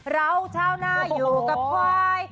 เราชาวหน้าอยู่กับควาย